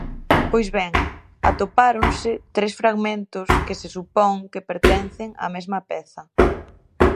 Pois ben, atopáronse tres fragmentos que se supón que pertencen á mesma peza.